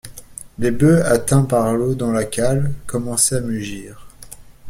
Les bœufs, atteints par l’eau dans la cale, commençaient à mugir.